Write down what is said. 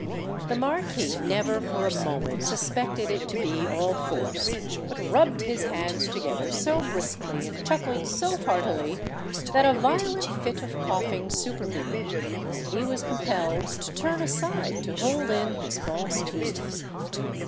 The Marquis never for a moment suspected it to be all forced, but rubbed his hands together so briskly and chuckled so heartily, that a violent fit of coughing supervened, and he was compelled to turn aside to hold in his false teeth.